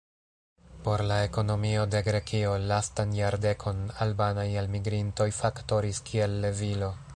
Por la ekonomio de Grekio, lastan jardekon, albanaj elmigrintoj faktoris kiel levilo.